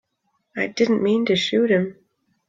I didn't mean to shoot him.